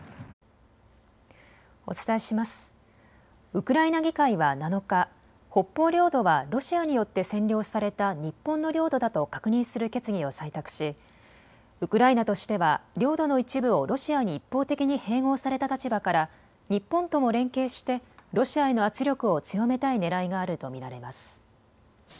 ウクライナ議会は７日、北方領土はロシアによって占領された日本の領土だと確認する決議を採択しウクライナとしては領土の一部をロシアに一方的に併合された立場から日本とも連携してロシアへの圧力を強めたいねらいがあると見られます。